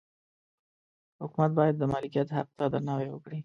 حکومت باید د مالکیت حق ته درناوی وکړي.